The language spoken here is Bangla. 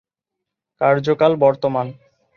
কার্যকাল বর্তমান